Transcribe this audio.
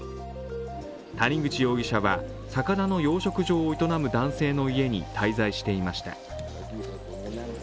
谷口容疑者は魚の養殖場を営む男性の家に滞在していました。